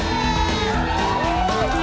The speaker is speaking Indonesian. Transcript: itu yang tau